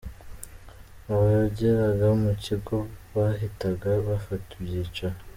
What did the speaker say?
Abageraga mu kigo bahitaga bafata ibyicaro.